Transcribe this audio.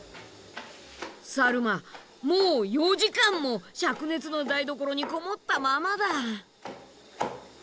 サルマもう４時間も灼熱の台所にこもったままだ。